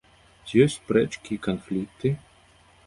Ці ёсць спрэчкі і канфлікты?